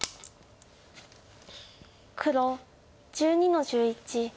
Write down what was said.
黒１２の十一。